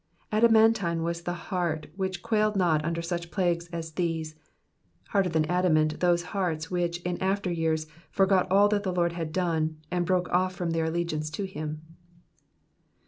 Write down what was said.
Adamantine was that heart which quailed not under such plagues as these, harder than adamant those hearts which in after years forgot all that the Lord had done, and broke off from their allegiance to him.